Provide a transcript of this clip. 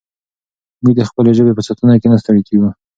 موږ د خپلې ژبې په ساتنه کې نه ستړي کېږو.